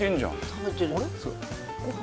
食べてる。